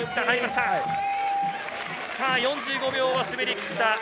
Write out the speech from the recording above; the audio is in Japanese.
４５秒は滑りきった。